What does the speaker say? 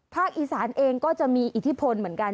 อีสานเองก็จะมีอิทธิพลเหมือนกัน